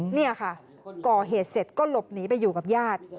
นี่ค่ะก่อเหตุเสร็จก็หลบหนีไปอยู่กับญาติ